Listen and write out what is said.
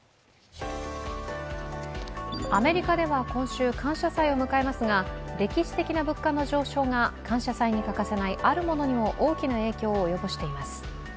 アメリカでは今週、感謝祭を迎えますが歴史的な物価の上昇が感謝祭に欠かせないあるものにも大きな影響を及ぼしています。